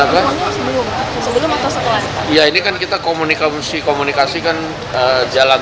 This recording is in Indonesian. pertemuan prabowo dengan megawati ditegaskan kalonis